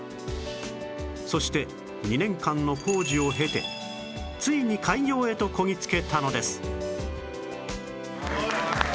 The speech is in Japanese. そして２年間の工事を経てついに開業へとこぎ着けたのです